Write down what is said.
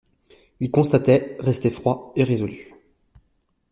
Il constatait, restait froid et résolu.